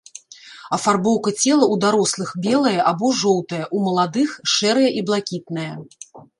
Афарбоўка цела ў дарослых белая або жоўтая, у маладых шэрая і блакітная.